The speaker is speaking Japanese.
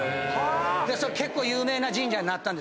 で結構有名な神社になったんです。